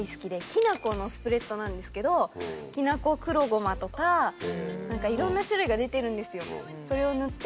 きな粉のスプレッドなんですけどきな粉黒ごまとかいろんな種類が出てるんですよ。